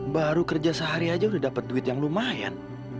baru kerja sehari aja udah dapet duit yang lumayan